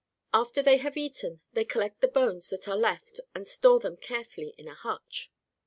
After they have eaten, they collect the bones that are left and store them carefully in a hutch.